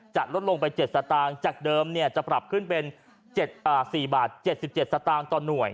ลดลงไป๗สตางค์จากเดิมจะปรับขึ้นเป็น๔บาท๗๗สตางค์ต่อหน่วย